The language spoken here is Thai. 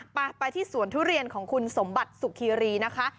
ไปไปที่สวนทุเรียนของคุณสมบัติสุขีรีนะคะ